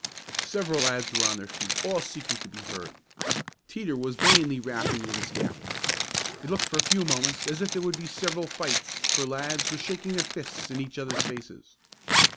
Several lads were on their feet, all seeking to be heard. Teeter was vainly rapping with his gavel. It looked for a few moments as if there would be several fights, for lads were shaking their fists in each other's faces.